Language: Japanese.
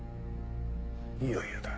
いよいよだ。